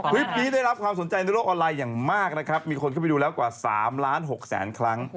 คลิปนี้ได้รับความสนใจในโลกออนไลน์อย่างมากนะครับมีคนเข้าไปดูแล้วกว่า๓ล้าน๖แสนครั้ง